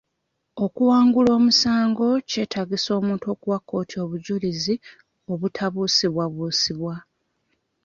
Okuwangula omusango kyetaagisa omuntu okuwa kkooti obujjulizi obutabuusibwabuusibwa.